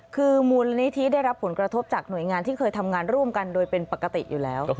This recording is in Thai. คือมูลนิธิได้รับผลกระทบจากหน่วยงานที่เคยทำงานร่วมกันโดยเป็นปกติอยู่แล้ว